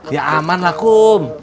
ya aman lah kum